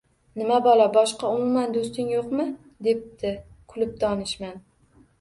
– Nima balo, boshqa umuman do‘sting yo‘qmi? – debdi kulib donishmand